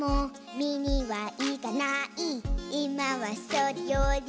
「みにはいかない」「いまはそれより」